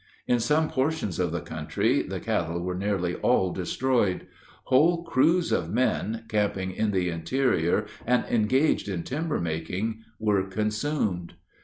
In some portions of the country, the cattle were nearly all destroyed. Whole crews of men, camping in the interior, and engaged in timber making, were consumed.